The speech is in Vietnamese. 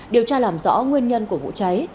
điều tra làm rõ nguyên nhân của vụ cháy